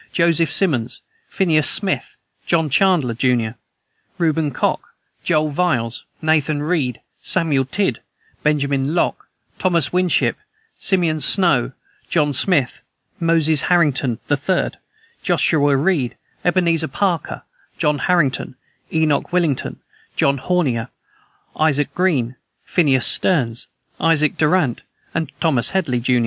Joseph Simonds, Phineas Smith, John Chandler, jun., Reuben Cock, Joel Viles, Nathan Reed, Samuel Tidd, Benjamin Lock, Thomas Winship, Simeon Snow, John Smith, Moses Harrington the 3d, Joshua Reed, Ebenezer Parker, John Harrington, Enoch Willington, John Hornier, Isaac Green, Phineas Stearns, Isaac Durant, and Thomas Headley, jun.